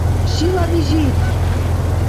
Шила мижит